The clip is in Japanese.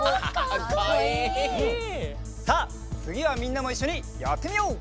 さあつぎはみんなもいっしょにやってみよう！